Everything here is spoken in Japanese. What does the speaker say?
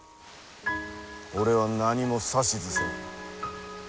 俺は何も指図せん。